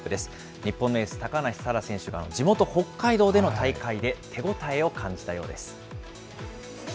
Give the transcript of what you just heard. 日本のエース、高梨沙羅選手が地元、北海道での大会で手応えを感じたようです。